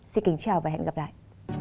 xin kính chào và hẹn gặp lại